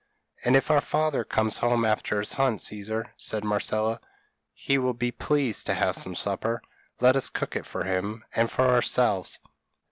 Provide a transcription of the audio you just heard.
p> "'And if our father comes home after his hunt, Caesar,' said Marcella, 'he will be pleased to have some supper; let us cook it for him and for ourselves.'